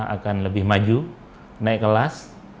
akan lebih maju naik kelas